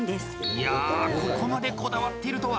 いやここまでこだわっているとは！